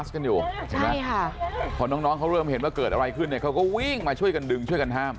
พอน้องเขาเริ่มเห็นว่าเกิดอะไรขึ้นเนี่ยเขาก็วิ่งมาช่วยกันดึงช่วยกันห้าม